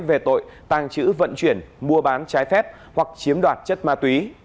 về tội tàng trữ vận chuyển mua bán trái phép hoặc chiếm đoạt chất ma túy